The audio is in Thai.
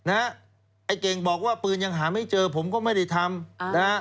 ไอ้เก่งบอกว่าปืนยังหาไม่เจอผมก็ไม่ได้ทำนะฮะ